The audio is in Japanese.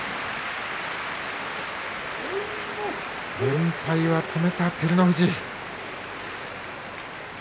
連敗を止めた照ノ富士。